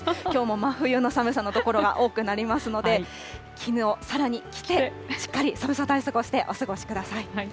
きょうも真冬の寒さの所が多くなりますので、衣をさらに着て、しっかり寒さ対策をしてお過ごしください。